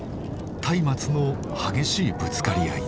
松明の激しいぶつかり合い。